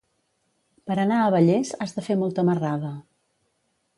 Per anar a Vallés has de fer molta marrada.